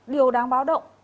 điều đáng báo động